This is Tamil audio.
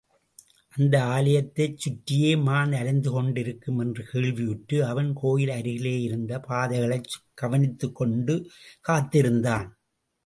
அந்த ஆலயத்தைச் சுற்றியே மான் அலைந்துகொண்டிருக்கும் என்று கேள்வியுற்று, அவன் கோயில் அருகிலேயிருந்த பாதைகளைக் கவனித்துக்கொண்டு காத்திருந்தான்.